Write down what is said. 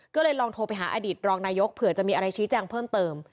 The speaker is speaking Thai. ก็เลยลองโทรไปหาอดีตรองนายกเผื่อจะมีอะไรชี้แจงเพิ่มเติม